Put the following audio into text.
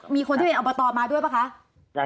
มีคนที่เอามาต่อมาด้วยป่ะคะ